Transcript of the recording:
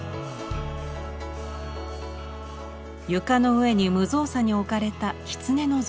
床の上に無造作に置かれた狐の像。